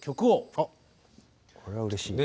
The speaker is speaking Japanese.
あっこれはうれしいな。